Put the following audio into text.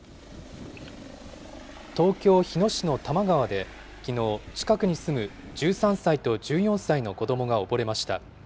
東京・日野市の多摩川で、きのう、近くに住む１３歳と１４歳の子どもが溺れました。